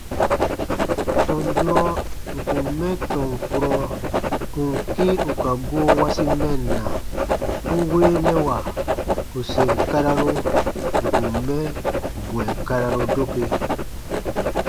Tɔn durɔ ǹ kun mɛ tɔn kurɔ ù n kĩ ù ka goo wasi mɛnna, n weenɛwa ù sèn kararu ǹ kun mɛ bwɛ̃ɛ kararu doke.